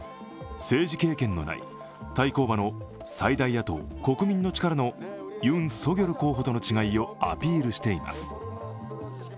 政治経験のない、対抗馬の最大野党、国民の力のユン・ソギョル候補との違いをアピールしています。